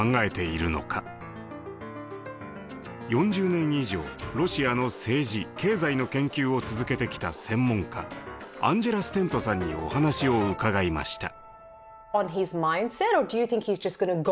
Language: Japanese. ４０年以上ロシアの政治経済の研究を続けてきた専門家アンジェラ・ステントさんにお話を伺いました。